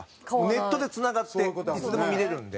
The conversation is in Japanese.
ネットでつながっていつでも見れるんで。